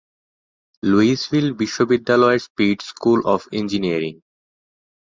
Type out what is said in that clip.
Louisville বিশ্ববিদ্যালয়ের Speed School of engineering.